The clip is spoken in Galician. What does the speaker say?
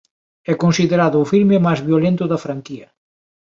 É considerado o filme máis violento da franquía.